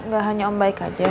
gak hanya om baik aja